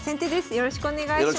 よろしくお願いします。